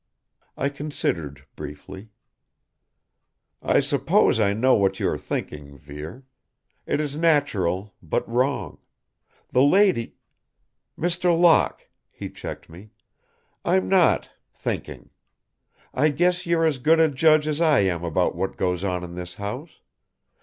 I considered briefly. "I suppose I know what you are thinking, Vere. It is natural, but wrong. The lady " "Mr. Locke," he checked me, "I'm not thinking. I guess you're as good a judge as I am about what goes on in this house.